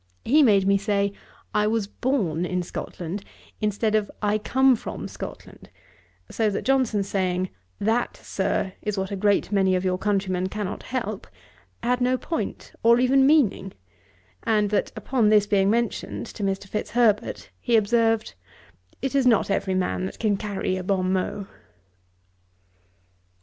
He made me say, 'I was born in Scotland,' instead of 'I come from Scotland;' so that Johnson saying, 'That, Sir, is what a great many of your countrymen cannot help,' had no point, or even meaning: and that upon this being mentioned to Mr. Fitzherbert, he observed, 'It is not every man that can carry a bon mot.'